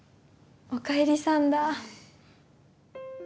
おかえりさんだ。